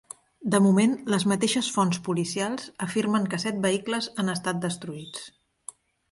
De moment, les mateixes fonts policials afirmen que set vehicles han estat destruïts.